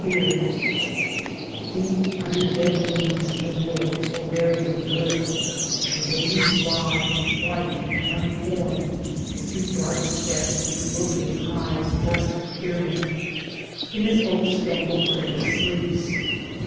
Towards Democracy 79 Deep under dead leaves in the wood or buried in the earth, the baby fly, white and unformed — the two dark specks which will be its eyes just appearing — in its oak spangle cradle sleeps.